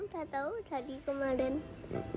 gak tau tadi kemarin